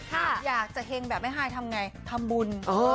อยากจะเฮงแบบแม่ฮายทำไงทำบุญ